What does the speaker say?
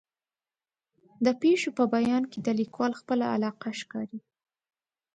د پېښو په بیان کې د لیکوال خپله علاقه ښکاري.